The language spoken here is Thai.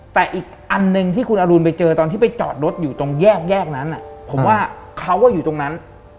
แต่อีกอันหนึ่งที่คุณอรุณไปเจอตอนที่ไปจอดรถอยู่ตรงแยกนั้นผมว่าเขาอยู่ตรงนั้น